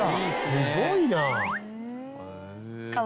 すごいな。